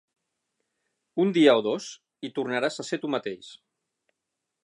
Un dia o dos, i tornaràs a ser tu mateix.